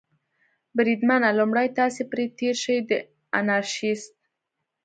بریدمنه، لومړی تاسې پرې تېر شئ، د انارشیست.